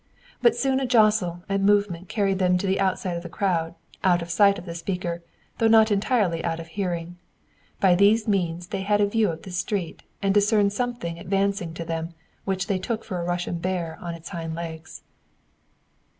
But soon a jostle and movement carried them to the outside of the crowd, out of sight of the speaker, though not entirely out of hearing. By these means they had a view of the street, and discerned something advancing to them, which they took for a Russian bear on its hind legs.